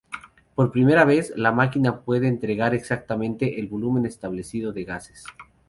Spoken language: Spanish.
Por primera vez, la máquina puede entregar exactamente el volumen establecido de gases..